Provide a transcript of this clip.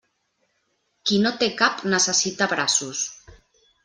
Qui no té cap necessita braços.